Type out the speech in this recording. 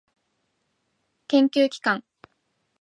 研究機関